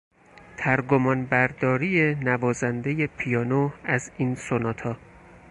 ترگمان برداری نوازندهی پیانو از این سوناتا